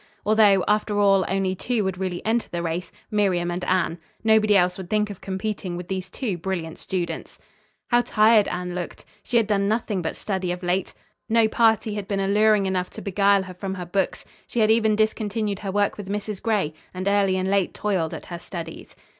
Although, after all, only two would really enter the race, Miriam and Anne. Nobody else would think of competing with these two brilliant students. How tired Anne looked! She had done nothing but study of late. No party had been alluring enough to beguile her from her books. She had even discontinued her work with Mrs. Gray, and early and late toiled at her studies.